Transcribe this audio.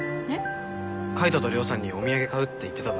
海斗と亮さんにお土産買うって言ってただろ？